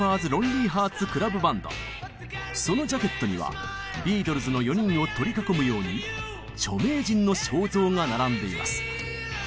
そのジャケットにはビートルズの４人を取り囲むように著名人の肖像が並んでいます。